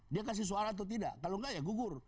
dia kasih suara atau tidak kalau enggak ya gugur